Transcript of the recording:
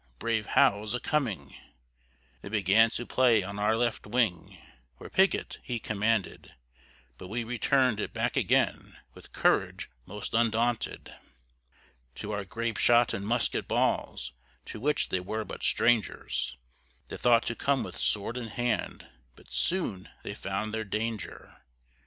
brave Howe's a coming." They 'gan to play on our left wing, Where Pigot, he commanded; But we returned it back again, With courage most undaunted. To our grape shot and musket balls, To which they were but strangers, They thought to come with sword in hand, But soon they found their danger.